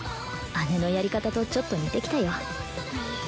姉のやり方とちょっと似てきたよ